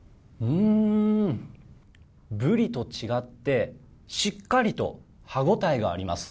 ブリと違ってしっかりと歯応えがあります。